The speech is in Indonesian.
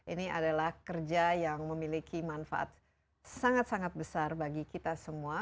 ini adalah kerja yang memiliki manfaat sangat sangat besar bagi kita semua